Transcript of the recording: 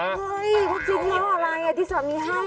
เฮ้ยเพราะฉีดยี่ห้ออะไรอาทิสามีห้อ